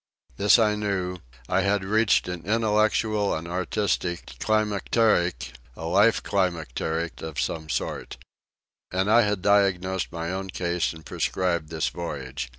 This I knew: I had reached an intellectual and artistic climacteric, a life climacteric of some sort. And I had diagnosed my own case and prescribed this voyage.